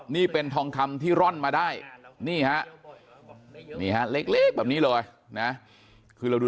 นี่เป็นทองคำที่ร่อนมาได้นี่ฮะนี่ฮะเล็กแบบนี้เลยนะคือเราดู